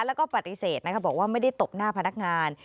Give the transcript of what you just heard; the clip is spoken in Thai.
แล้วก็ปฏิเสธบอกว่าไม่ได้ตบหน้าพนักงาน